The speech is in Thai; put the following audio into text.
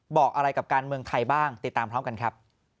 บอกอะไรกับการเมืองไทยบ้างติดตามพร้อมกันครับ